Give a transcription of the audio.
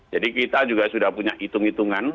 jadi kita juga sudah punya hitung hitungan